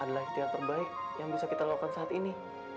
adalah ikhtiar terbaik yang bisa kita lakukan saat ini